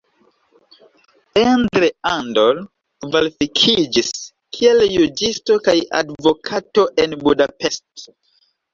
Endre Andor kvalifikiĝis kiel juĝisto kaj advokato en Budapest.